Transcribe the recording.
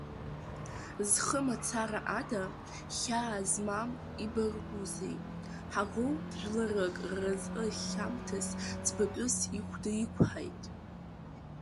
Зхы мацара ада хьаа змам ибаргәузеи, ҳаӷоу жәларык рразҟы хьамҭа ӡбатәыс ихәда иқәҳааит.